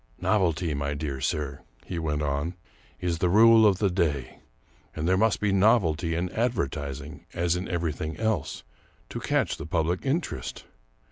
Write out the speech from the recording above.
" Novelty, my dear sir," he went on, " is the rule of the day ; and there must be novelty in advertising, as in every thing else, to catch the public interest.